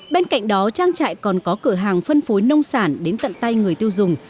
bên cạnh đó trang trại còn có cửa hàng phân phối nông sản đến tận tay người tiêu dùng